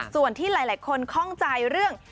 ส่วนที่หลายคนคล่องใจเรื่อง